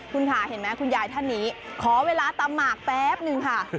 คุณค่ะเห็นไหมคุณยายท่านนี้ขอเวลาตำหมากแป๊บนึงค่ะ